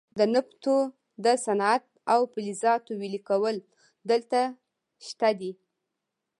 د نفتو د صنعت او فلزاتو ویلې کول دلته شته دي.